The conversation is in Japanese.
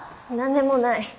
何でもない。